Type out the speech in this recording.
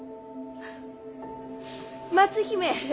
松姫。